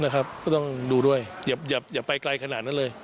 ก็ต้องดูด้วยอย่าไปไกลขนาดนั้นเลย